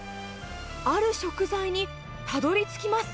ある食材にたどりつきます。